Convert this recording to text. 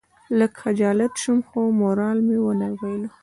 لږ خجالت شوم خو مورال مې ونه بایلود.